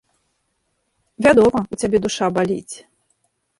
Вядома, у цябе душа баліць.